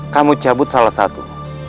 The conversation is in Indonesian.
kamu cabut salah satu